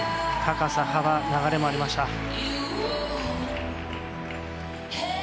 高さ、幅、流れもありました。